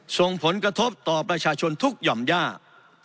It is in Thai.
ส่งผลกระทบต่อประชาชนทุกหย่อมยาก